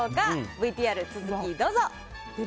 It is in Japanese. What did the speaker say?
ＶＴＲ続きどうぞ。